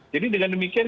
jadi dengan demikian